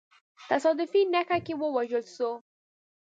تصادفي نښته کي ووژل سو.